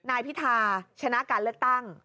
นายพิธาชนะการเลือกตั้ง